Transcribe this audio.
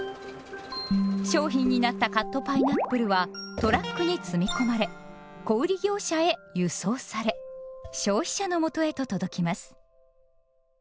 商品になったカットパイナップルはトラックに積み込まれ小売業者へ「輸送」され消費者のもとへと届きます。